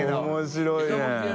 面白い何？